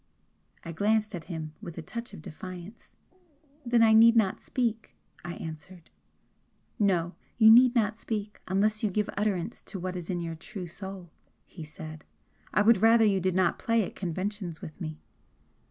I glanced at him with a touch of defiance. "Then I need not speak," I answered. "No, you need not speak, unless you give utterance to what is in your true soul," he said "I would rather you did not play at conventions with me."